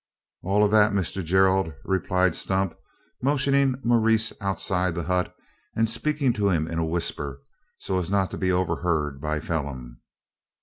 "All o' thet, Mister Gerald," replied Stump, motioning Maurice outside the hut, and speaking to him in a whisper, so as not to be overheard by Phelim.